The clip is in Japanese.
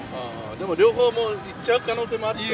でも両方ともいっちゃう可能性もあって。